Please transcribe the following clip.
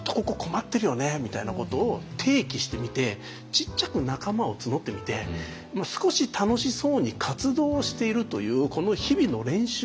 みたいなことを提起してみてちっちゃく仲間を募ってみて少し楽しそうに活動しているというこの日々の練習みたいなもの。